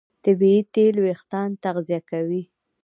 طبیعي تېل وېښتيان تغذیه کوي.